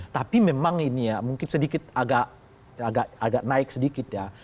tapi memang ini ya mungkin sedikit agak naik sedikit ya